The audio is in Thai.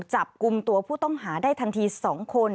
จับกลุ่มตัวผู้ต้องหาได้ทันที๒คน